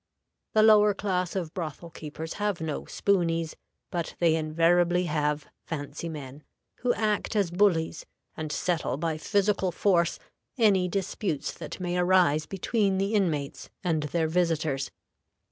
The lower class of brothel keepers have no "spooneys," but they invariably have "fancy men," who act as bullies, and settle by physical force any disputes that may arise between the inmates and their visitors.